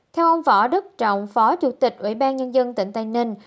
theo ông võ đức trọng phó chủ tịch ubnd tỉnh tây ninh